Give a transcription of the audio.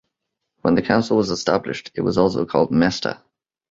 When the council was established, it was also called "mesta".